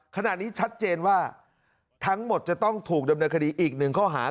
ขณะนี้ชัดเจนว่าทั้งหมดจะต้องถูกดำเนินคดีอีกหนึ่งข้อหา